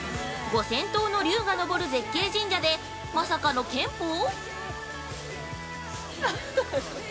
五千頭の龍が昇る絶景神社で、まさかの拳法？